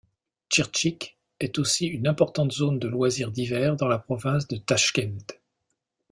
Tchirtchik est aussi une importante zone de loisirs d'hiver dans la province de Tachkent.